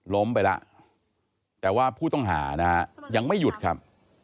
ล้มไปแล้วแต่ว่าผู้ต้องหานะฮะยังไม่หยุดครับ